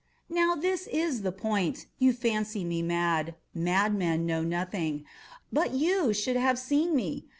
Now this is the point. You fancy me mad. Madmen know nothing. But you should have seen me.